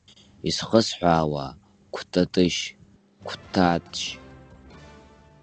Изхысҳәаауа, Қәтатышь, Қәҭатшь…